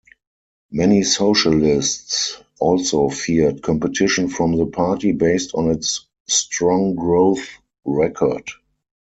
Many socialists also feared competition from the party based on its strong growth record.